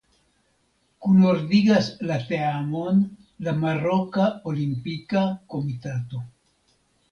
Kunordigas la teamon la Maroka Olimpika Komitato.